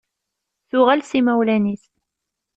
Tuɣal s imawlan-is.